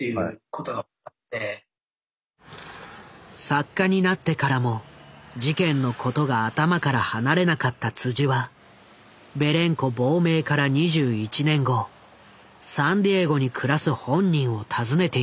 作家になってからも事件のことが頭から離れなかったはベレンコ亡命から２１年後サンディエゴに暮らす本人を訪ねている。